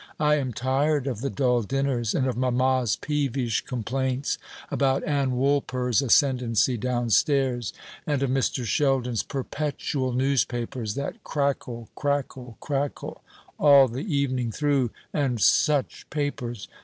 I am tired of the dull dinners, and of mamma's peevish complaints about Ann Woolper's ascendancy downstairs; and of Mr. Sheldon's perpetual newspapers, that crackle, crackle, crackle all the evening through; and such papers!